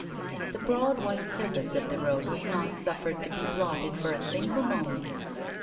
The broad white surface of the road was not suffered to be blotted for a single moment.